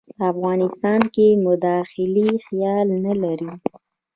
په افغانستان کې د مداخلې خیال نه لري.